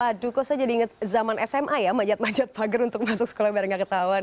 aduh kok saya jadi ingat zaman sma ya manjat manjat pager untuk masuk sekolah biar gak ketahuan